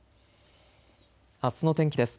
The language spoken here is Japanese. あすの天気です。